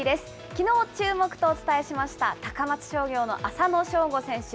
きのう注目とお伝えしました、高松商業の浅野翔吾選手。